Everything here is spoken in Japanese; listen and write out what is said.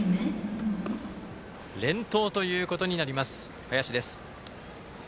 連投ということになります林です。